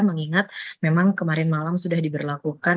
mengingat memang kemarin malam sudah diberlakukan